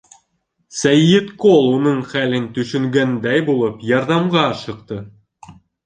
Сәйетҡол уның хәлен төшөнгәндәй булып ярҙамға ашыҡты.